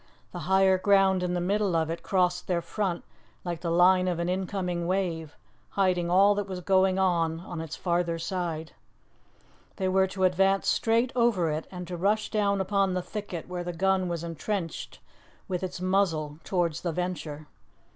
The higher ground in the middle of it crossed their front like the line of an incoming wave, hiding all that was going on on its farther side. They were to advance straight over it, and to rush down upon the thicket where the gun was entrenched with its muzzle towards the Venture.